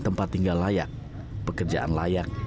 tempat tinggal layak pekerjaan layak